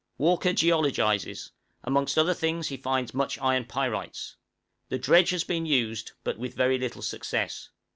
Walker geologizes; amongst other things he finds much iron pyrites. The dredge has been used, but with very little success.